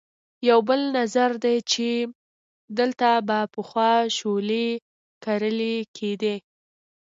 یو بل نظر دی چې دلته به پخوا شولې کرلې کېدې.